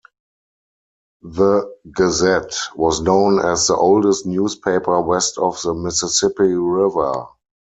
The "Gazette" was known as the oldest newspaper west of the Mississippi River.